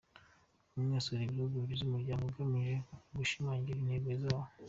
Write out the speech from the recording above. Ubwe asura ibihugu bigize umuryango agamije gushimangira intego zawo.